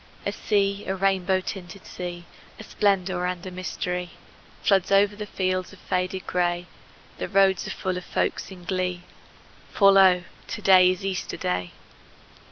A sea, a rainbow tinted sea, A splendor and a mystery, Floods o'er the fields of faded gray: The roads are full of folks in glee, For lo, to day is Easter Day!